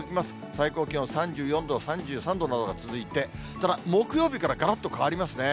最高気温３４度、３３度などが続いて、ただ、木曜日からがらっと変わりますね。